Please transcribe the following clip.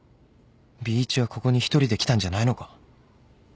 Ｂ 一はここに１人で来たんじゃないのか？